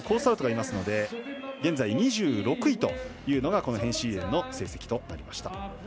アウトがいますので現在２６位というのがヘンシーエンの成績となりました。